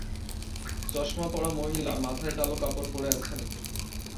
চশমা পরা মহিলা মাথায় কালো কাপড় পরে আছেন